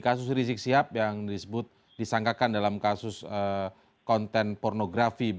kasus rizik sihab yang disebut disangkakan dalam kasus konten pornografi